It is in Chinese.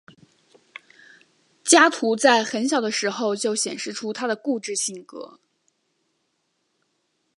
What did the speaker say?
加图在很小的时候就显示出他的固执性格。